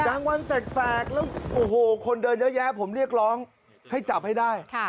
กลางวันแสกแล้วโอ้โหคนเดินเยอะแยะผมเรียกร้องให้จับให้ได้